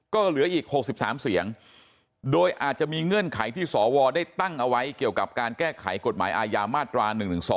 ก็เหลืออีก๖๓เสียงโดยอาจจะมีเงื่อนไขที่สวได้ตั้งเอาไว้เกี่ยวกับการแก้ไขกฎหมายอาญามาตรา๑๑๒